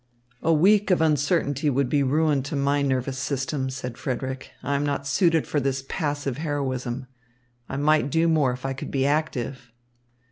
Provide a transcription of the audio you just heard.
"A week of uncertainty would be ruin to my nervous system," said Frederick. "I am not suited for this passive heroism. I might do more if I could be active."